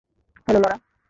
Hello, Laura.